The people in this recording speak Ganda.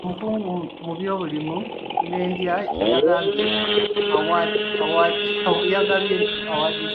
Omukugu mu by'obulimi n'endya yagabye awaadi z'emmere.